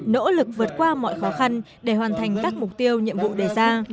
nỗ lực vượt qua mọi khó khăn để hoàn thành các mục tiêu nhiệm vụ đề ra